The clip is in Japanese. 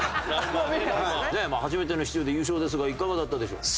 まあ初めての出場で優勝ですがいかがだったでしょうか？